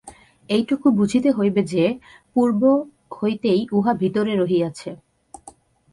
এইটুকু বুঝিতে হইবে যে, পূর্ব হইতেই উহা ভিতরে রহিয়াছে।